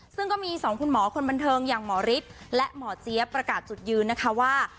ซึ่งก็มีสองคุณหมอคนบันเทิงอย่างหมอฤทธิ์และหมอเจี๊ยบประกาศจุดยืนนะคะว่า